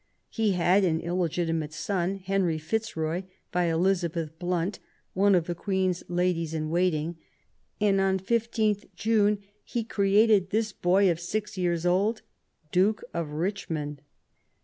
He had an illegitimate son, Henry Fitzroy, by Elizabeth Blimt, one of the Queen's ladies in waiting; and on 15th June he created this boy of six years old Duke of Eichmond.